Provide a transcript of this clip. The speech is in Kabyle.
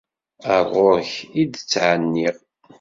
Ar ɣur-k i ttɛenniɣ.